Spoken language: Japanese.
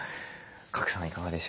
賀来さんはいかがでしょうか？